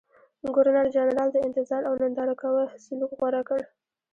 ګورنرجنرال د انتظار او ننداره کوه سلوک غوره کړ.